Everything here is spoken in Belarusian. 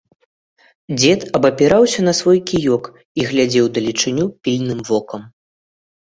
Дзед абапіраўся на свой кіёк і глядзеў у далечыню пільным вокам.